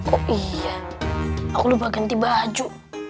oh iya aku lupa ganti baju